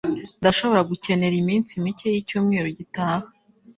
Ndashobora gukenera iminsi mike y'icyumweru gitaha.